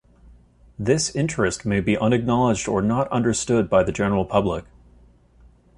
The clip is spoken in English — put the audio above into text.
This interest may be unacknowledged or not understood by the general public.